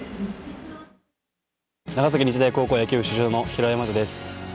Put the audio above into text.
長崎日大高校野球部主将の平尾大和です。